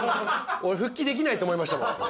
復帰できないと思いましたもん。